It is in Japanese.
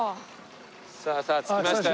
さあさあ着きましたよ。